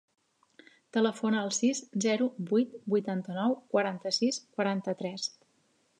Telefona al sis, zero, vuit, vuitanta-nou, quaranta-sis, quaranta-tres.